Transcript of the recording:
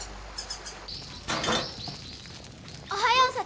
おはよう智。